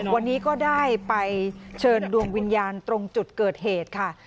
วันนี้ก็ได้ไปเชิญดวงวิญญาณตรงจุดเกิดเหตุค่ะ